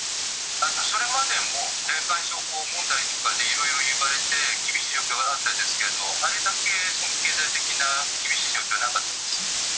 それまでも霊感商法問題とかでいろいろ言われて厳しい状況だったんですけど、あれだけ経済的に厳しい状況はなかったです。